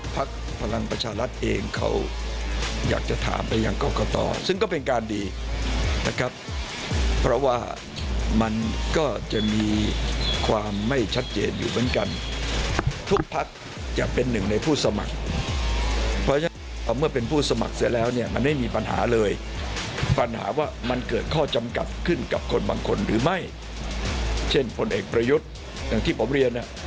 ผลักษณ์พลังประชาลัทธ์เองเขาอยากจะถามไปอย่างก่อนก่อนต่อซึ่งก็เป็นการดีนะครับเพราะว่ามันก็จะมีความไม่ชัดเจนอยู่เหมือนกันทุกพลักษณ์จะเป็นหนึ่งในผู้สมัครเพราะฉะนั้นเมื่อเป็นผู้สมัครเสร็จแล้วเนี่ยมันไม่มีปัญหาเลยปัญหาว่ามันเกิดมาเกิดมาเกิดมาเกิดมาเกิดมาเกิดมาเกิดมาเกิดมาเกิดมา